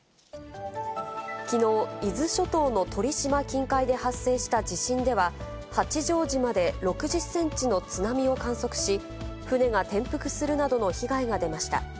きのう、伊豆諸島の鳥島近海で発生した地震では、八丈島で６０センチの津波を観測し、船が転覆するなどの被害が出ました。